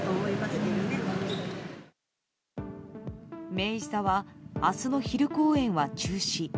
明治座は明日の昼公演は中止。